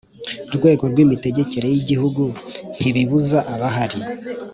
rwego rw imitegekere y Igihugu ntibibuza abahari